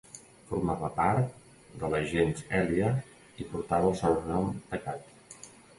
Formava part de la gens Èlia i portava el sobrenom de Cat.